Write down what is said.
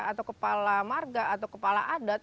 atau kepala marga atau kepala adat